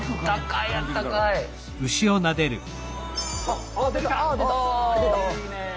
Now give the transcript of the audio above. いいね。